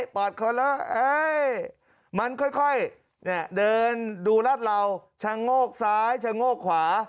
อดคนแล้วมันค่อยเดินดูรัดเหลาชะโงกซ้ายชะโงกขวา